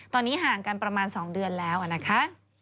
ตอนนี้ห่างกันประมาณ๒เดือนแล้วนะคะ